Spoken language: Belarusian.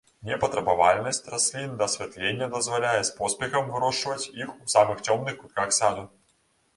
Непатрабавальнасць раслін да асвятлення дазваляе з поспехам вырошчваць іх у самых цёмных кутках саду.